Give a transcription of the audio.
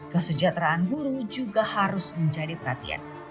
kesejahteraan buruh juga harus menjadi perhatian